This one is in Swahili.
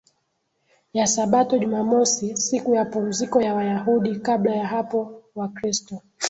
ya Sabato Jumamosi siku ya pumziko ya Wayahudi Kabla ya hapo Wakristo